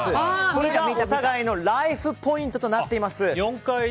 これがお互いのライフポイントとなっております。